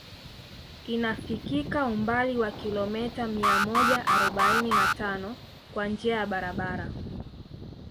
Inafikika umbali wa kilomita mia moja arobaini na tano kwa njia ya barabara